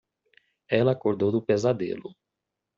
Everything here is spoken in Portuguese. Ela acordou do pesadelo.